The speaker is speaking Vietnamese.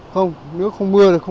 phòng tránh mưa lũ